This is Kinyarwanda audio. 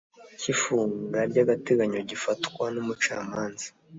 cy ifunga ry agateganyo gifatwa n Umucamanza